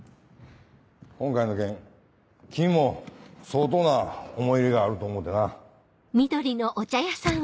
今回の件君も相当な思い入れがあると思うてな。